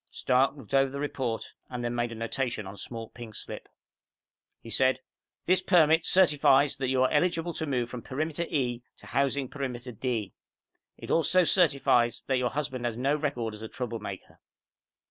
Stark looked over the report and then made a notation on a small pink slip. He said, "This permit certifies that you are eligible to move from Perimeter E to Housing Perimeter D. It also certifies that your husband has no record as a troublemaker."